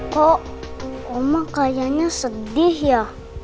kok oma kayaknya sedih ya